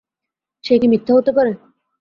সে কি মিথ্যে হতে পারে?